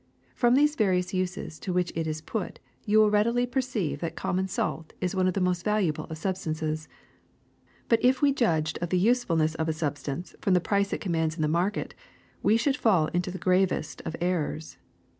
From these various uses to which it is put you will readily perceive that common salt is one of the most valuable of substances. ^'But if we judged of the usefulness of a substance from the price it commands in the market, we should fall into the gravest of errors.